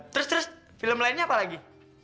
terus terus film lainnya apa lagi